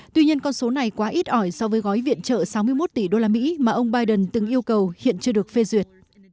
tuy nhiên con số này quá ít ỏi so với gói viện trợ sáu mươi một tỷ usd mà ông biden từng yêu cầu hiện chưa được phê duyệt